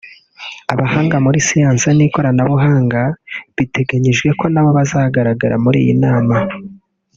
abahanga muri siyansi n’ikoranabuhanga biteganyijwe ko nabo bazagaragara muri iyi nama